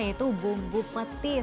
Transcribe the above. yaitu bumbu petis